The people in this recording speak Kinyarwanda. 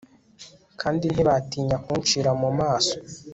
kandi ntibatinya kuncira mu maso